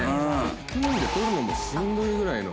スプーンで取るのもしんどいぐらいの・